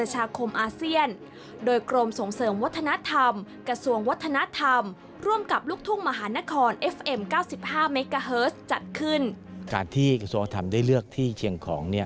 การที่กระทรวงวัฒนธรรมได้เลือกที่เชียงของ